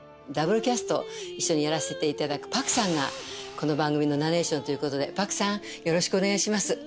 ダブルキャスト一緒にやらせていただく朴さんがこの番組のナレーションということで朴さんよろしくお願いします。